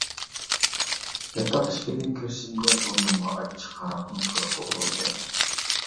ياتاق ئىشىكىدىن كىرىشىمگە بۇرنۇمغا ئاچچىق ھاراقنىڭ پۇرىقى ئۇرۇلدى.